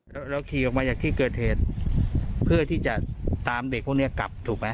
แล้วเราขี่ออกมาจากที่เกิดเหตุเพื่อที่จะตามเด็กพวกนี้กลับถูกไหม